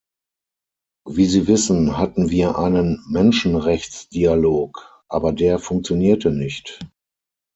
Wie Sie wissen, hatten wir einen Menschenrechtsdialog, aber der funktionierte nicht.